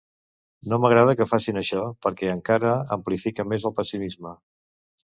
No m’agrada que facin això, perquè encara amplifica més el pessimisme.